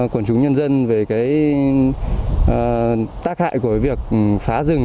quần chúng nhân dân về tác hại của việc phá rừng